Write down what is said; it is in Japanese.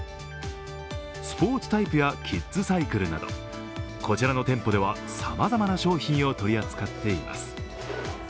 スポーツタイプやキッズサイクルなど、こちらの店舗ではさまざま商品を取り扱っています。